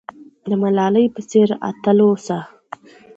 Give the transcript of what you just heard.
د ملالۍ په څېر اتل اوسه.